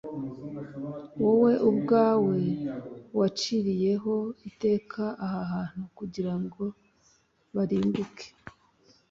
wowe ubwawe waciriyeho iteka aha hantu kugira ngo barimbuke